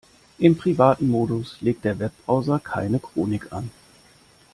Im privaten Modus legt der Webbrowser keine Chronik an.